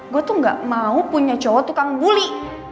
gue tuh gak mau punya cowok tukang bully